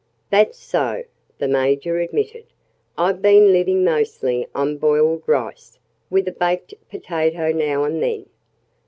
"That's so," the Major admitted. "I've been living mostly on boiled rice, with a baked potato now and then."